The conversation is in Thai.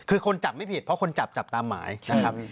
คือคนจับไม่ผิดเพราะคนจับจับตามหมายนะครับ